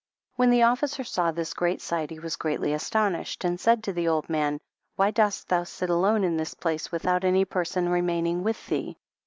When the officer saw this great sight he was greatly astonished, and said to the old man, why dost thou sit alone in this place, without any person remaining with thee